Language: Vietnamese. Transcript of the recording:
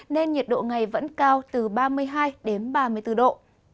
nên nhiệt độ ngày vẫn cao từ ba mươi hai đến ba mươi bốn độ